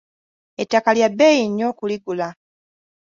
Ettaka lya bbeeyi nnyo okuligula.